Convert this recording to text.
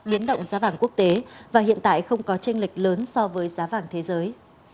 biến động giá vàng quốc tế và hiện tại không có tranh lệch lớn so với giá vàng thế giới